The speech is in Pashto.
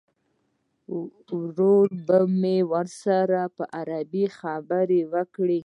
ورور به مې ورسره په عربي خبرې وکړي.